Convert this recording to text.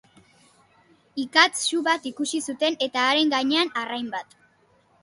Ikatz su bat ikusi zuten eta haren gainean arrain bat.